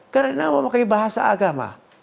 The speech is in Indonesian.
karena memakai bahasa agama